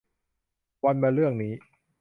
วันมะเรื่องนี้